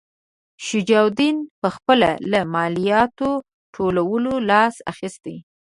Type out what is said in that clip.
شجاع الدوله پخپله له مالیاتو ټولولو لاس اخیستی.